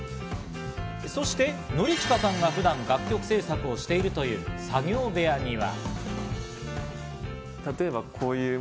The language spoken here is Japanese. そして典親さんが普段、楽曲制作をしているという作業部屋には。